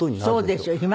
そうですよ。